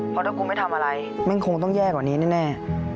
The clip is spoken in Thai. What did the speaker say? เพราะถ้ากูไม่ทำอะไรแม่งคงต้องแย่กว่านี้แน่